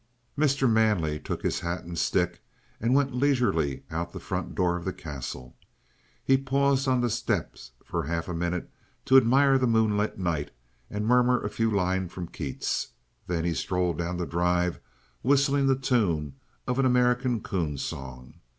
Mr. Manley took his hat and stick and went leisurely out of the front door of the Castle. He paused on the steps for half a minute to admire the moonlit night and murmur a few lines from Keats. Then he strolled down the drive whistling the tune of an American coon song.